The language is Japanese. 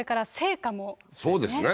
そうですね。